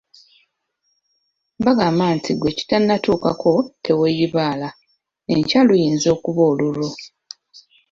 Bagamba nti gwe kitannatuukako teweeyibaala, enkya luyinza okuba olulwo.